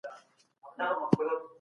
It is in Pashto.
موږ ترتيب زده کوو.